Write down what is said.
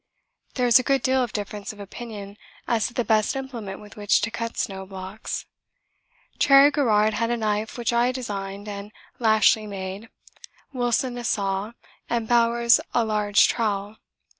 There is a good deal of difference of opinion as to the best implement with which to cut snow blocks. Cherry Garrard had a knife which I designed and Lashly made, Wilson a saw, and Bowers a large trowel.